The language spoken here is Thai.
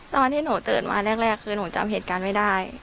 ตอนที่หนูตื่นมาแรกคือหนูจำเหตุการณ์ไม่ได้